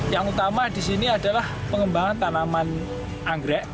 yang utama di sini adalah pengembangan tanaman anggrek